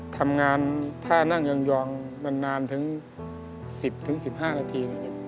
ทำงานท่านั่งยองนานถึง๑๐๑๕นาที